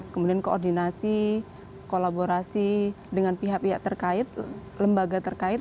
kemudian koordinasi kolaborasi dengan pihak pihak terkait lembaga terkait